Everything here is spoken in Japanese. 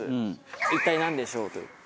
一体なんでしょう？という。